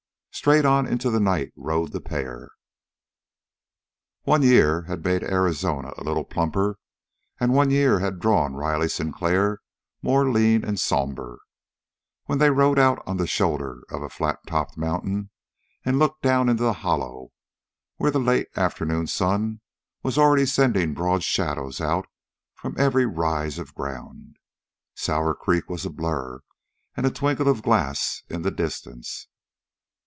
Straight on into the night rode the pair. One year had made Arizona a little plumper, and one year had drawn Riley Sinclair more lean and somber, when they rode out on the shoulder of a flat topped mountain and looked down into the hollow, where the late afternoon sun was already sending broad shadows out from every rise of ground. Sour Creek was a blur and a twinkle of glass in the distance.